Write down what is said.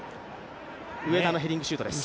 上田のヘディングシュートです。